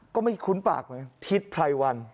ก็ไม่คุ้นปากไหมทิศไพรวัน